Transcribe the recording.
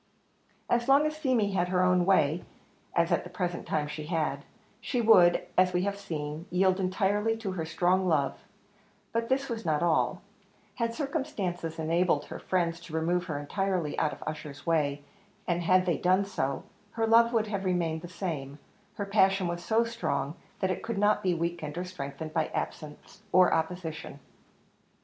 As long as Feemy had her own way, as at the present time she had, she would, as we have seen, yield entirely to her strong love; but this was not all; had circumstances enabled her friends to remove her entirely out of Ussher's way, and had they done so, her love would have remained the same; her passion was so strong, that it could not be weakened or strengthened by absence or opposition.